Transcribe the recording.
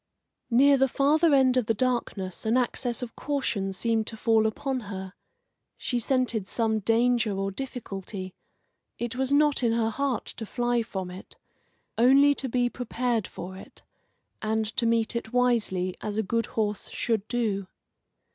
Near the farther end of the darkness an access of caution seemed to fall upon her. She scented some danger or difficulty; it was not in her heart to fly from it only to be prepared for it, and to meet it wisely, as a good horse should do.